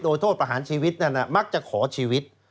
โดยโทษประหารชีวิตนั้นมักจะขอชีวิต